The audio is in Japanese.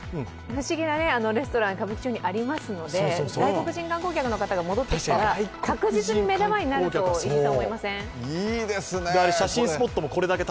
不思議なレストラン、歌舞伎町にありますので外国人観光客の方が戻ってきたら確実に目玉になると思います。